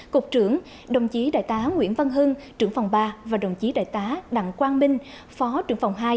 cục trưởng đồng chí đại tá nguyễn văn hưng trưởng phòng ba và đồng chí đại tá đặng quang minh phó trưởng phòng hai